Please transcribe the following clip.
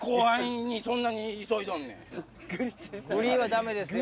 グリっ！はダメですよ。